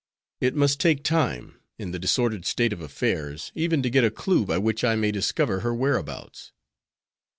It must take time, in the disordered state of affairs, even to get a clue by which I may discover her whereabouts."